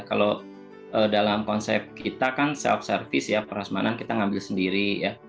kalau dalam konsep kita kan self service ya prasmanan kita ngambil sendiri ya